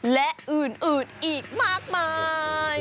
และอื่นอีกมากมาย